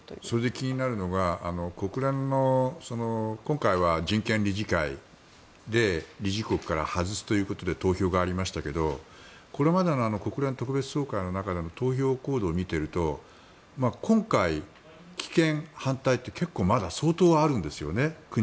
それで気になるのは国連の今回は人権理事会で理事国から外すということで投票がありましたけどこれまでの国連特別総会の中での投票行動を見てると今回、棄権、反対って結構、相当あるんですよね。